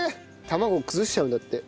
卵崩しちゃうんだって。